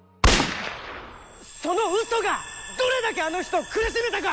そのうそがどれだけあの人を苦しめたか！